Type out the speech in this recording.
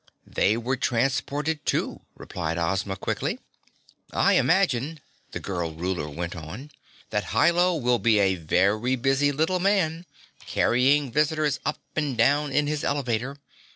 "They were transported, too," replied Ozma quickly. "I imagine," the Girl Ruler went on, "that Hi Lo will be a very busy little man, carrying visitors up and down in his elevator.